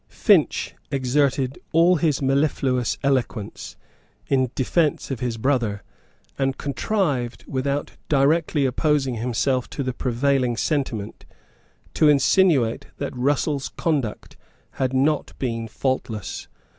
Finch exerted all his mellifluous eloquence in defence of his brother, and contrived, without directly opposing himself to the prevailing sentiment, to insinuate that Russell's conduct had not been faultless.